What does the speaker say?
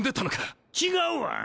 違うわ！